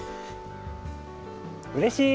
うれしい！